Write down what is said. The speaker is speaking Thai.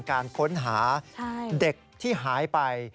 การค้นหาเด็กที่หายไป